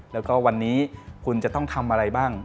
แล้วก็วันนี้คุณจะต้องทำอะไรบ้าง